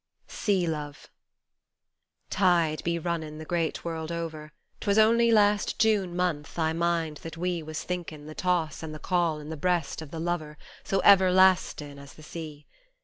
55 \SEA LOVE TIDE be runnin' the great world over : T'was only last June month I mind that we Was thinkin' the toss and the call in the breast of the lover So everlastin' as the sea.